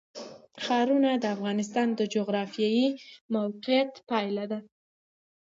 ښارونه د افغانستان د جغرافیایي موقیعت پایله ده.